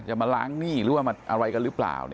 จะมาล้างหนี้หรือว่ามาอะไรกันหรือเปล่า